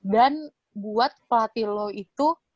dan buat pelatih lu itu